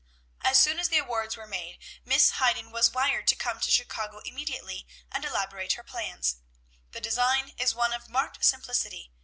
"'As soon as the awards were made, Miss Hayden was wired to come to Chicago immediately and elaborate her plans. The design is one of marked simplicity.